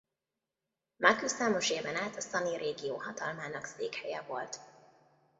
Macue számos éven át a Szanin régió hatalmának székhelye volt.